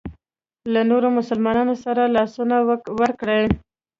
له نورو مسلمانانو سره لاسونه ورکړي.